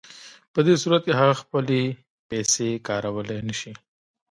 په دې صورت کې هغه خپلې پیسې کارولی نشي